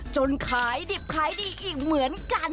จนขายดิบขายดีอีกเหมือนกัน